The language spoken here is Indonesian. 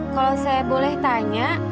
kalau saya boleh tanya